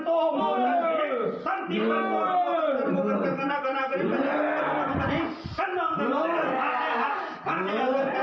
โอ้โห